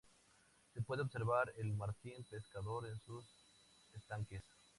Se puede observar el Martín pescador en sus estanques.